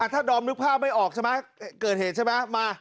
ถ้าดอมนึกภาพไม่ออกใช่ไหมเกิดเหตุใช่ไหมมา